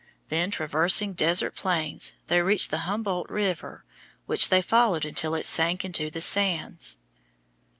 Then, traversing desert plains, they reached the Humboldt River, which they followed until it sank into the sands.